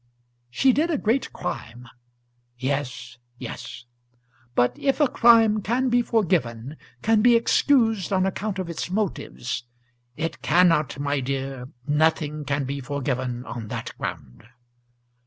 "She did a great crime." "Yes, yes." "But if a crime can be forgiven, can be excused on account of its motives " "It cannot, my dear. Nothing can be forgiven on that ground."